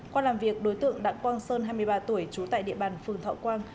qua làm việc đối tượng đặng quang sơn hai mươi ba tuổi trú tại địa bàn phường thọ quang